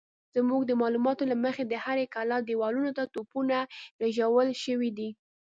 زموږ د معلوماتو له مخې د هرې کلا دېوالونو ته توپونه خېژول شوي دي.